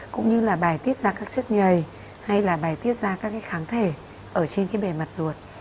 cũng như là bài tiết ra các chất nhảy hay là bài tiết ra các cái kháng thể ở trên cái bề mặt ruột